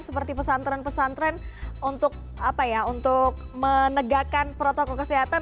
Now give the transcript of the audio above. seperti pesantren pesantren untuk menegakkan protokol kesehatan